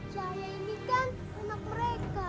saya ini kan anak mereka